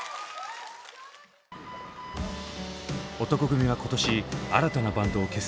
男闘呼組は今年新たなバンドを結成。